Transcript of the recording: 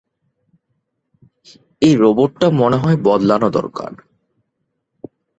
এই রোবটটা মনে হয় বদলানো দরকার।